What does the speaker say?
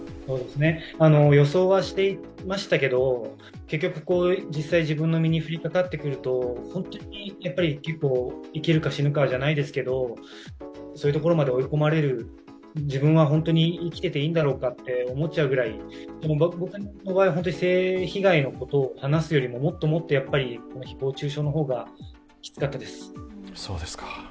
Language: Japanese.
予想はしていましたけど、結局、実際自分の身に降りかかってくると本当に結構、生きるか死ぬかじゃないですけど、そういうところまで追い込まれる、自分は本当に生きてていいんだろうと思っちゃうくらい、僕の場合、性被害のことを話すよりもっともっと誹謗中傷の方がきつかったです。